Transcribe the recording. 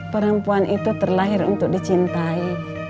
perempuan itu terlahir untuk dicintai